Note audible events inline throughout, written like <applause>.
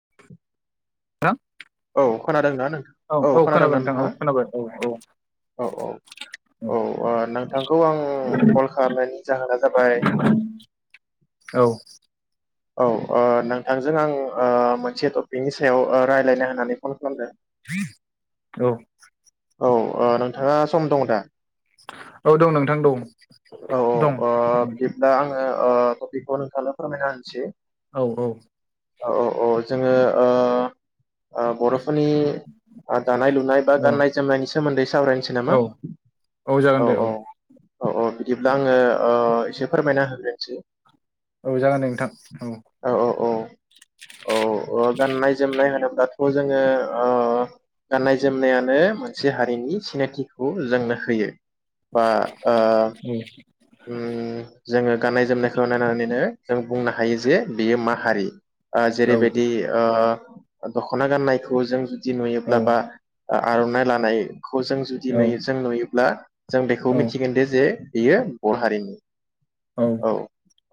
<inaudible> <unintelligible> औ खोनादोंना नोंथ औ खोनादोंना खोनाबाय नोंथां औ खोनाबाय औ औ नोंथाङा औ औ औ नोंथांखौ आं कल खालामनायनि जाहोना जाबाय औ औ ओ नोंथांजों आं ओ मोनसे टपिकनि सायाव ओ रायलायनो होननानै फन खालामदों। औ औ ओ नोंथाङा सम दं दा? औ दं नोंथां दं। औ औ दं ओ बिब दा आं ओ टपिकखौ नोंथांनो फोरमायना होनोसै। औ औ औ औ अ जोङो ओ ओ बर'फोरनि दानाय लुनाय बा औ गाननाय जोमनायनि सोमोन्दै सावरायनोसै नामा औ औ औ औ औ दा आङो ओ एसे फोर फोरमायना होग्रोनोसै। औ जागोन दे नोंथां औ। औ औ गाननाय जोमनाय होनोब्लाथ' जोङो ओ गाननाय जोमनायानो मोनसे हारिनि सिनायथिखौ जोंनो होयो। बा ओ उम जोङो गाननाय जोमनायखौ नायनानैनो जों बुंनो हायो जे बेयो मा हारि ओ औ जेरैबायदि ओ दखना गाननायखौ जों बिदि नुयोब्ला बा आ आरनाइ लानाय खौ जों जुदि औ नुयो जों नुयोब्ला जों बेखौ औ मिथिगोन दे जे बियो बर' हारिनि औ।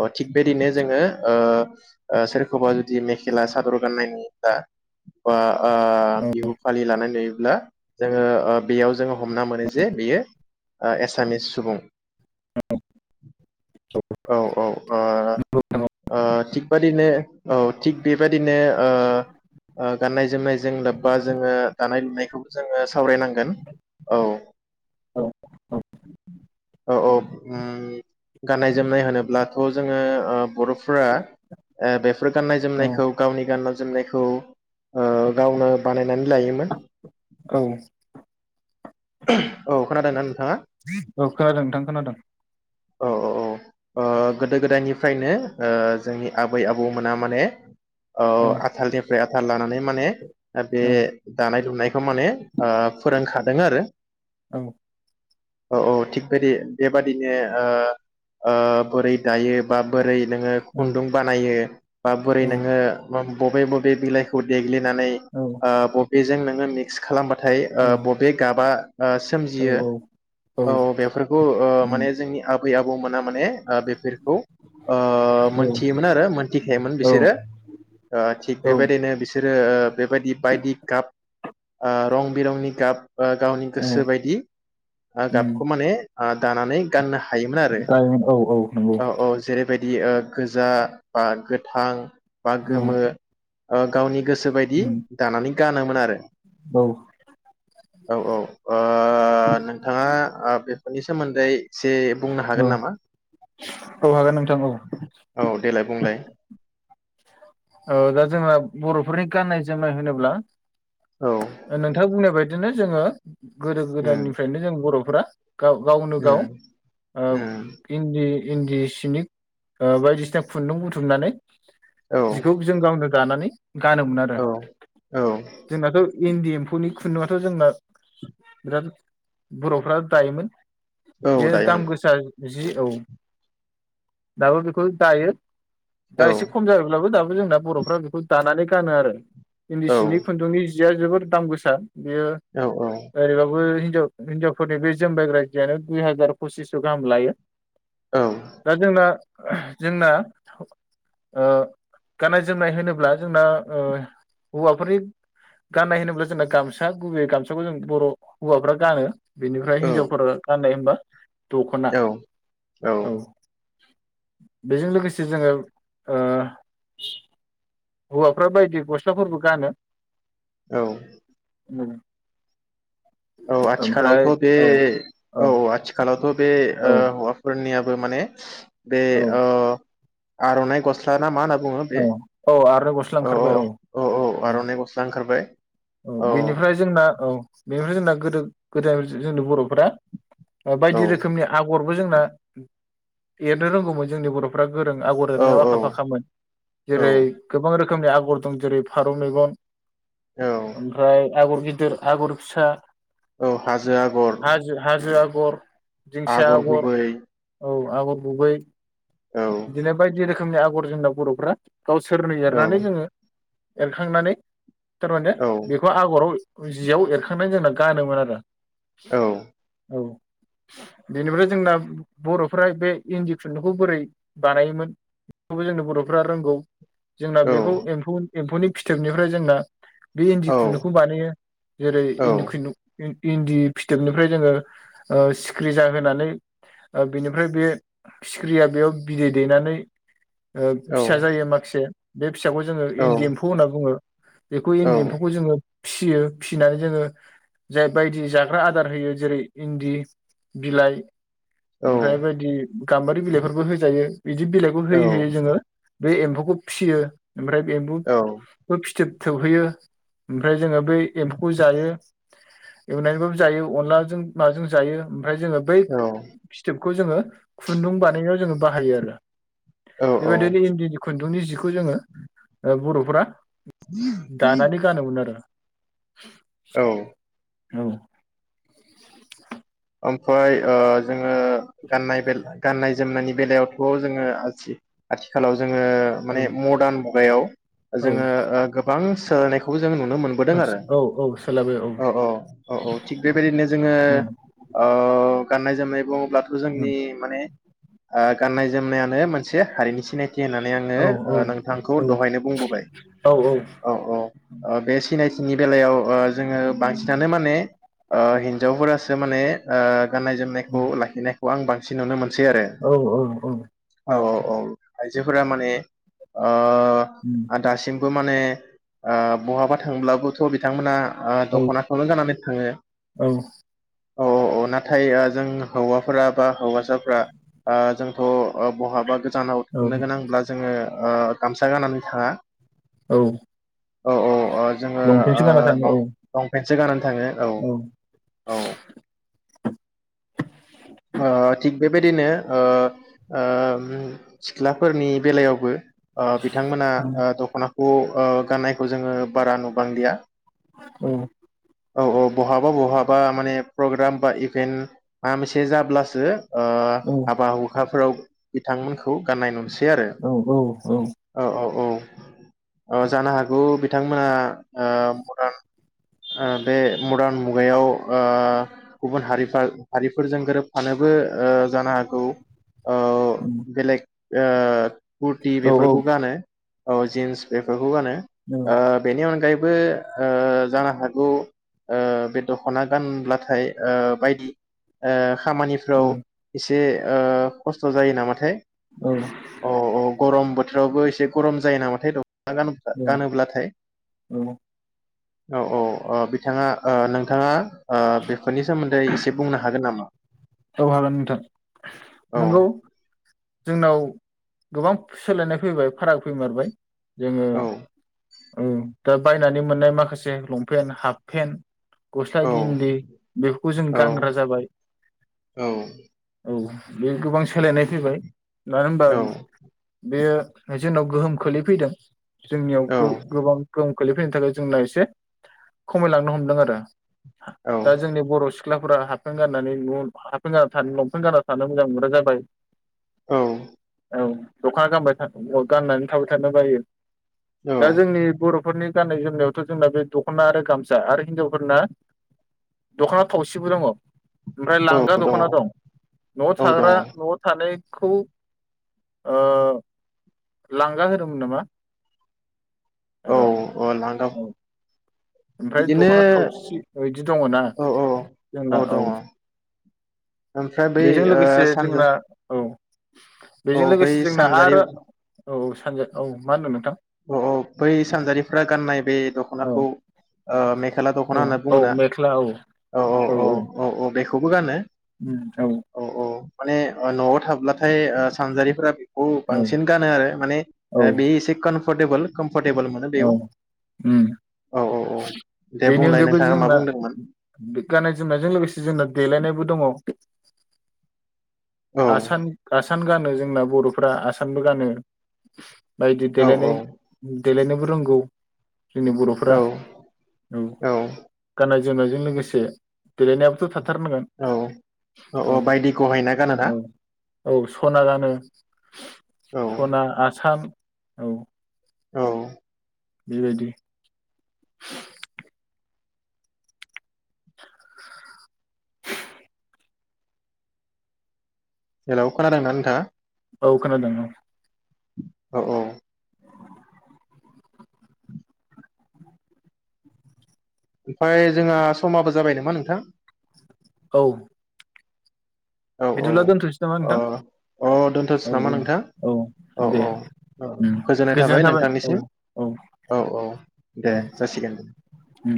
अ थिग बेदिनो जोङो ओ ओ सोरखौबा जुदि मेखेला सादर गान्नाय नुयोब्ला बा आ बिहु फालि लानाय नुयो अब्ला जोङो बेयाव जोङो हमना मोनो जे बेयो एसामिस सुबुं। औ औ ओ ओ। थिग बादिनो औ थिग बेबादिनो ओ ओ गाननाय जोमनायजों लोब्बा जोङो दानाय लुनायखौबो जोङो सावरायनांगोन औ। औ औ। औ औ ओ गाननाय जोमनाय होनोब्लाथ जोङो ओ बर बरफोरा ओ बेफोर गाननाय औ जोमनायखौ गावनि गानना जोमनायखौ ओ गावनो बानायनानै लायोमोन <unintelligible> औ खोनादों ना नोंथाङा औ खोनादों नोंथां खोनादों औ औ औ ओ गोदो गोदायनि फ्रायनो ओ जोंनि आबै आबौमोना माने ओ औ आथालनिफ्राय धार लानानै माने बे औ दानाय लुनायखौ माने ओ फोरोंखादों आरो औ औ औ थिग बदि बेबादिनो ओ ओ बोरै दायो बा बोरै नोङो औ खुन्दुं बानायो बा बोरै औ नोङो बबे बबे बिलाइखौ देग्लि देनानै ओ बबे बेजों नोङो मिक्स खालामबा नाथाय ओ बबे गाबा ओ‌ सोमजियो औ बेफोरखौ ओ माने जोंनि आब बै आबौ मोना माने ओ‌ बेफोरखौ ओ मोनथियोमोन आरो मोनथिखायोमोन औ बिसोरो ओ थिग औ बेबायदिनो बिसोरो ओ बेबायदि बायदि गाब ओ रं बिरंनि गाब ओ गाब गोसोबायदि ओ गाबखौ माने ओ दानानै गाननो हा फ्राय औ औ नंगौ बेबादि ओ गोजा बा गोथां बा गोमो ओ गावनि गोसो बायदि दानानै गानोमोन आरो औ औ औ ओ <unintelligible> बेनि सोमोन्दै एसे बुंनो औ हागोन नामा औ हागोन नोंथां औ औ देलाय बुंलाय औ दा जोंना बरफोरनि गान्नाय जोमनाय होनोब्ला औ नोंथां बुंनाय बा बिदिनो जोङो गोदो उम गोदायनिफ्रायनो जों बर' फोरा ग-गावनो गाव उम ओ उम इन्दि इन्दि सिनिक ओ बायदिसिना खुन्दुं बुथुमनानै औ जिखौ जों गावनो दानानै गानोमोन आरो। औ औ जोंनाथ' इन्दि एम्फौनि खुन्दुआथ' जोंना बिराद बर'फोरा दायोमोन। औ बे दायोमोन दाम गोसा जि औ दाबो बेखौ दायो। दा औ एसे खम जा दाबो जोंना बर'फ्रा बेखौ दा खानानै गानो आरो इन्दि औ सिनि खुन्दुंनि जिया जोबोर दाम गोसा। बेयो औ ओरैबाबो हिनजावफोरनि बे जोमबायग्रा जियानो दुइ हाजार पसिस्स' गाहाम लायो। औ दा जोंना जोंना ओ गान्नाय जोमनाय होनोब्ला जोंना ओ हौवाफोरनि गान्नाय होनोब्ला जोंना गामसा गुबै गामसाखौ जों बर' हौवाफ्रा गानो। बिनिफ्राय औ हिनजावफोर गान्नाय होमबा दख'ना औ औ। बेजों लोगोसे जोङो ओ हौवाफोरा बायदि गस्लाफोरबो गानो। औ। औ ओमफ्राय आथिखालावथ बे औ औ आथिखालावथ बे औ ओ हौवाफोरनिया बो माने बे औ ओ आर'नाइ गस्ला ना मा होनो बुङो औ बे औ आर'नाइ गस्ला औ औ ओंखारबाय औ औ आर'नाइ गस्ला ओंखारबाय। औ बेनिफ्राय जोंना औ । बेनिफ्राय जोंना गोदो-गोदाय जोंनि बरफोरा औ बायदि रोखोमनि आगर बयबो जोंना रोंगौमोन जोंनि बरफोरा गोरों आगर औ एरनायाव औ आखा-फाखामोन औ जेरै गोबां रोखोम गोबां रोखोमनि आगर दं जेरै फारौ मेगन औ ओमफ्राय आगर गिदिर आगर फिसा। औ हाजो आगर गर आगर गुबै औ आगरगुबै। औ दिनो बायदि रोखोम रोखोमनि आगर जोंना बरफोरा गावसोरनो औ एरनानै जोङो एरखांनानै थारमाने औ बेखौ आगराव जियाव एरखांनानै जोंना गानोमोन आरो औ औ बेनिफ्राय जोंना बरफ्रा बे इन्दि खुन्दुंखौ बोरै बानायोमोन बेखौबो जोंनि बरफ्रा रोंगौमोन। जोंना औ बेखौ एम्फौ एम्फौनि फिथोबनिफ्राय जोंना बे औ इन्दि औ खुन्दुंखौ बानायो जेरै इन्दि खुन्दुंफोरखौ इन्दि फिथोबनिफ्राय जोङो ओ सिखिरि जाहोनानै ओ बिनिफ्राय बे सिखिरिया बेयाव बिदै दैनानै ओ फिसा जायो माखासे बे फिसाखौ जोङो इन्दि एम्फौ होनना बुङो बेखौ औ इन्दि एम्फ फियो फिनानै जोङो जाय बायदि जाग्रा आदार होयो जेरै इन्दि बिलाइ ओमफ्राय बायदि गाम्बारि बिलाइफोरबो होजायो बिदि बिलाइखौ औ होयै होयै जोङो बै एम्फौ खौ फियो ओमफ्राय <unintelligible> फिथोब थोब हैयो। ओमफ्राय जोङो बै एम्फौखौ जायो। एवनानैबाबबो जायो अनलाजों माजों जायो। ओमफ्राय जोङो बै फिथोब। बेखौ जोङो खुन्दुं बानायनायाव जोङो बाहायो आरो। औ बिबा <inaudible> खुन्दुंनि जिखौ जोङो ओ बर' फोरा। <unintelligible> गानोमोन आरो। औ। औ <unintelligible> ओमफाय ओ जों। ओ गानाय <inaudible> गानाय जोमनायनि बेलायावथ‌ जोङो आथि आथिखालाव जोङो माने मोडर्न मुगायाव औ जोंङो ओ गोबां सोलायनायखौ <inaudible> जों नुनो मोनबोदों आरो औ औ औ सोलाबाय औ औ औ औ थिख बेबायदिनो जोङो औ औ गाननाय जोमनाय <inaudible> अब्लाथ जोंनि माने। ओ गाननाय जोमनायानो मोनसे हारिनि सिनाय <inaudible> थि होननानै आङो औ ओ नोंथांखौ औ दहायनो बुंबोबाय औ औ औ ओ बे सिनायथिनि बेलायाव ओ जोङो बांसिनानो माने अ हिन्जावफोरा माने ओ गाननाय जोमनायखौ लाखिनाय खौ आं बांसिन नुनो मोन सै आरो औ औ औ औ औ। औ आइजोफोरा माने ओ। उम, ओ दासिम- बोमाने ओ बहाबा थांब्लाबोथ बिथांमोना। औ दखनाखौल गानानै थाङो। औ औ औ औ नाथाय जों हौवाफोरा बा हौवासाफोरा ओ जोंथ ओ बहाबा। भुटानाव औ थांनो गोनांब्ला जोङो। ओ गामसा गाननानै थाङा। औ। औ औ। अ जोङो लंपेन्टसो ओ गानना थाङो लं औ लंपेन्टसो गानानानै थाङो औ। औ। <inaudible> ओ थिग बेबायदिनो ओ ओ बि सिख्लाफोरनि बेलायावबो ओ बिथांमोना ओ दखना खौ ओ गाननायखौ जोङो बारा नुबांलिया ओम औ औ बहाबा बहाबा माने प्रग्राम बा इभेन्ट मा मोनसे जाब्लासो ओ हाबा हुखा फोराव बिथांमोनखौ गाननाय नुनोसै औ औ औ ओ जानो हागौ बिथांमोना ओ मडान बे मडान मुगायाव ओ गुबुन हारिफ्रा हारिफोरजों गोरोबफानोबो ओ जानो हागौ। ओ बेलेग ओ कुरटि औ औ बेफोरखौ गानो औ जिन्स बेफोर खौ गानो ओ बेनि अनगायै बो ओ जानो हागौ ओ बे दखना गानब्लाथाय ओ बायदि ओ खामानिफ्राव एस दे ओ खस्थ जायो नामाथाय औ अ औ गरम बोथोरावबो एस दे गरम जायो नामाथाय द खना गानोब्लाथाय। औ औ औ ओ बिथाङा ओ नोंथाङा ओ बेफोरनि सोमोन्दै एसे बुंनो हागोन नामा? औ हागोन नोंथां औ नोंगौ। जोंनाव गोबां सोलायनाय फैबाय फाराग फैमारबाय जोङो औ औ दा बायनानै मोननाय माखासे लंपेन्ट हाफ पेन्ट गस्ला औ गिन्दि बेफोरखौ जों औ गानग्रा जाबाय। औ औ बे गोबां सोलायनाय फैबाय मानो होनबा औ बेयो हाय जोंनाव गोहोम खोलैफैदों। जोंनियाव औ गो-गोबां दं गोलैफैनो थाखाय जोंना एसे खमायलांनो हमदों आरो औ दा जोंनि बर' सिख्लाफोरा हाप फेन्थ गाननानै न' हाफेन गाना थानो लंफेन गाना थानो मोजां मोनग्रा जाबाय औ औ दखना गानबाय था गाननानै थाबाय थानो बायो दा जोंनि बर' फोरनि गान्नाय जोमनायावथ जोंना बे दखना आरो गामसा आरो हिनजावफोरना दखना थावसिबो दङ ओमफ्राय औ लां दङ दखना दं नआव औ दङ थाग्रा नआव था <unintelligible> ओ लांगा होनोमोन नामा? औ र' ओ लांगा औ ओमफ्राय दखना थावसि इदि दङ ना औ औ जोंना औ ओमफ्राय बै बेजों ओ लोगोसे सानजा जोंना औ औ बेजों बै लोगोसे जोंना सानजारि आरो औ सानजा औ मा होनो नोंथां? औ औ बै सानजारिफ्रा गाननाय बे औ दखनाखौ ओ मेखोला औ दखना होनना औ बुङो ना मेख्ला औ औ औ औ औ औ बेखौबो गानो। उम औ माने नआव थाब्लाथाय ओ सानजारिफोरा औ बांसिन गानो आरो माने ओ औ बेयो एसे कन फरदेबोल खोम औ उम औ औ औ दे बेनि बुंलाय अनगायैबो नोंथाङा मा जोंना बुंदोंमोन बि गाननाय जोमनायजों लोगोसे जोंना देलायनायबो दङ। औ आसान आ सान गानो जोंना बरफ्रा आसानबो गानो बायदि औ औ देलायनाय उम देलायनोबो रोंगौ जोंनि बरफ्रा औ औ गाननाय जोमनायजों लोगोसे देलायनायाबोथ था औ ओ औ बायदि गहायना गानो ना औ औ सना गानो औ सना आसान। औ। औ। बेबायदि। हेल खोनादोंना नोंथाङा। औ खोनादों औ। औ औ। ओमफाय जोंहा समाबो जाबाय नामा नोंथां। औ। औ औ बिदिब्ला दोनथसै नामा अ नोंथां अ दोनथ'सै नामा औ नोंथां औ औ दे उम गोजोननाय थाबाय औ औ दे औ जासिगोन दे उम।